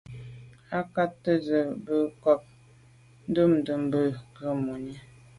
Â kɑ̂nə̄ ncóp zə mə̄ côb ndɛ̂mbə̄ mə̄ gə̀ rə̌ mùní.